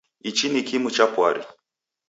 Ichi ni kimu cha pwari.